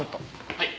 はい。